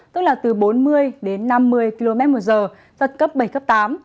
tức là từ bốn mươi đến năm mươi km một giờ giật cấp bảy cấp tám